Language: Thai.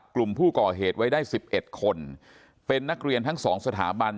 กลุ่มผู้ก่อเหตุไว้ได้๑๑คนเป็นนักเรียนทั้งสองสถาบัน